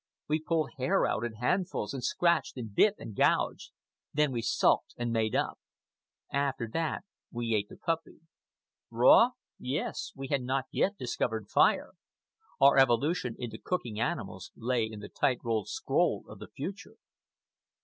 We pulled hair out in handfuls, and scratched and bit and gouged. Then we sulked and made up. After that we ate the puppy. Raw? Yes. We had not yet discovered fire. Our evolution into cooking animals lay in the tight rolled scroll of the future.